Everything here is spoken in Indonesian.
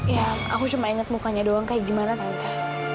ya aku cuma ingat mukanya doang kayak gimana tante